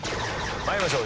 参りましょう。